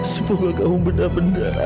semoga kamu benar benar anakku aida